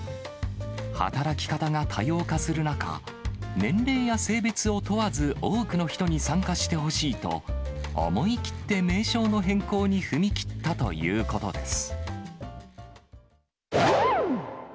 働き方が多様化する中、年齢や性別を問わず、多くの人に参加してほしいと、思い切って名称の変更に踏み切ったということです。